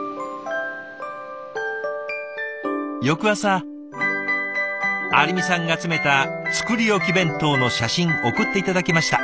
翌朝有美さんが詰めた作り置き弁当の写真送って頂きました。